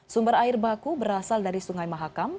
sumber air baku berasal dari sungai mahakam